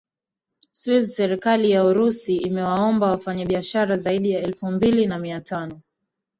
swisse serikali ya urusi imewaomba wafanyi biashara zaidi ya elfu mbili na mia tano